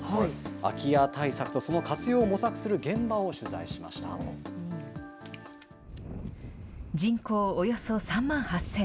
空き家対策とその活動を人口およそ３万８０００。